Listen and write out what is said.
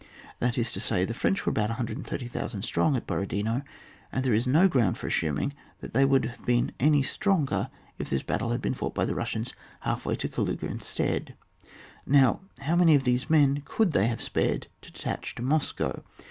That is to say, the French were about 130,000 strong at Borodino, and there is no ground for assuming that they would have been any stronger if this battle had been fought by the Bussians half way to Kaluga instead ; now, how many of these men could they have spared to detach to Moscow